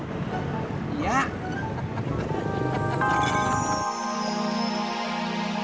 gila ini udah berhasil